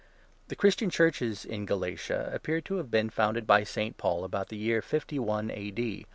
The Christian Churches in ' Galatia ' appear to have been founded by St. Paul about the year 51 A. D.